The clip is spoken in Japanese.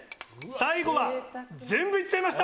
最後は全部行っちゃいました！